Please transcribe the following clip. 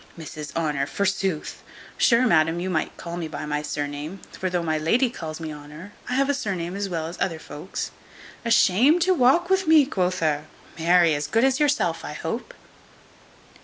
Mrs Honour, forsooth! sure, madam, you might call me by my sir name; for though my lady calls me Honour, I have a sir name as well as other folks. Ashamed to walk with me, quotha! marry, as good as yourself, I hope."